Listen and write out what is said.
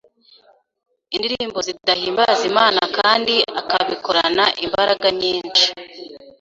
indirimbo zidahimbaza Imana kandi akabikorana imbaraga nyinshi,